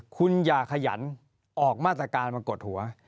คุณอย่าขยันออกมาตรการมากดหัว